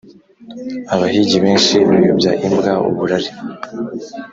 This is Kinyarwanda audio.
Abahigi benshi bayobya imbwa (uburari).